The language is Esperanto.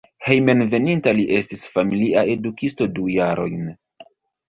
Hejmenveninta li estis familia edukisto du jarojn.